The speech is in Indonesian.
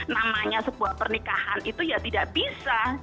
namanya sebuah pernikahan itu ya tidak bisa